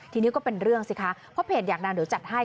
ทีนี้ก็เป็นเรื่องสิคะเพราะเพจอยากดังเดี๋ยวจัดให้